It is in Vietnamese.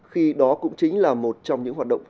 khi đó cũng chính là một trong những hoạt động